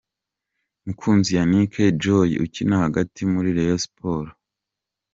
Mukunzi Yannick Joy ukina hagati muri Rayon Sports .